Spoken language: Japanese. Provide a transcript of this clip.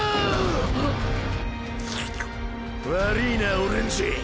悪りィなオレンジ！！